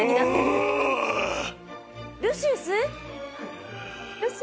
ルシウス？